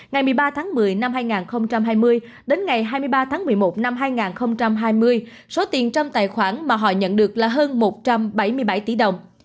ngày một mươi ba tháng một mươi năm hai nghìn hai mươi đến ngày hai mươi ba tháng một mươi một năm hai nghìn hai mươi số tiền trong tài khoản mà họ nhận được là hơn một trăm bảy mươi bảy tỷ đồng